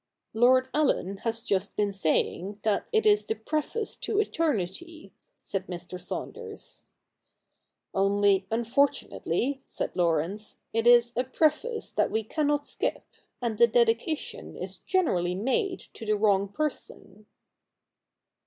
' Lord Allen has just been saying that it is the preface to eternity,' said Mr. Saunders. ' Only, unfortunately,' said Laurence, ' it is a preface that we cannot skip, and the dedication is generally made to the wrong person.'